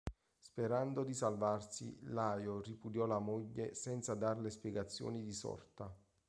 Sperando di salvarsi, Laio ripudiò la moglie senza darle spiegazioni di sorta.